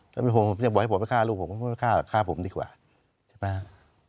ก็บอกให้ผมข้าลูกผมแล้วบอกให้พ่อข้าผมดีกว่าใช่ไหม